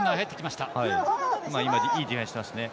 いいディフェンスしてましたね。